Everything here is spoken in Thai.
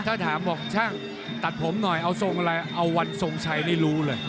ถ้าถามบอกช่างตัดผมหน่อยเอาทรงอะไรเอาวันทรงชัยนี่รู้เลย